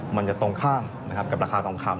มันจะตรงข้ามนะครับกับราคาทองคำ